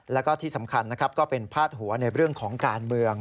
แล้วก็ที่สำคัญนะครับก็เป็นพาดหัวในเรื่องของการเมือง